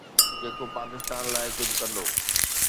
جيڪو پاڪستان لاءِ ڪجهه ڪندو